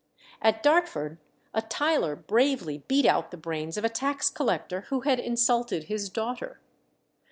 At Dartford, a tiler bravely beat out the brains of a tax collector who had insulted his daughter.